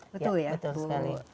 ya betul sekali